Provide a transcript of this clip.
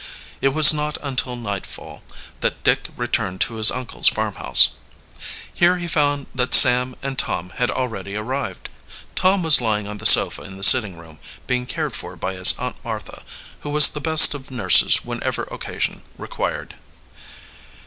It was not until nightfall that Dick returned to his uncle's farmhouse. Here he found that Sam and Tom had already arrived. Tom was lying on the sofa in the sitting room, being cared for by his Aunt Martha, who was the best of nurses whenever occasion required.